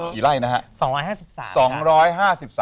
กี่ไร่นะฮะ